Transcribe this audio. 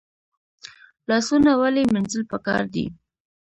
لاسونه ولې مینځل پکار دي؟